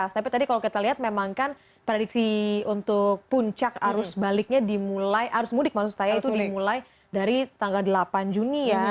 tapi tadi kalau kita lihat memang kan prediksi untuk puncak arus mudik dimulai dari tanggal delapan juni ya